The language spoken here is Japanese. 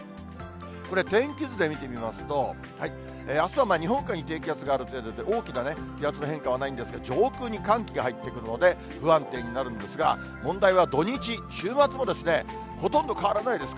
これ、天気図で見てみますと、あすは日本海に低気圧がある程度で、大きな気圧の変化はないんですが、上空に寒気が入ってくるので不安定になるんですが、問題は土日、週末も、ほとんど変わらないです。